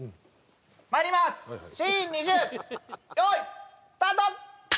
まいりますシーン２０用意スタート！